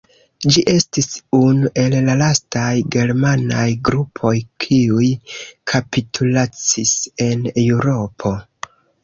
Ĝi estis unu el la lastaj germanaj grupoj kiuj kapitulacis en Eŭropo.